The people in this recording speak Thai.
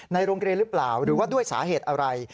ในโรงเรียนหรือเปล่าหรือว่าด้วยสาเหตุอะไร